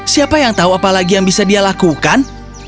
siapa yang tahu apa lagi yang bisa dia lakukan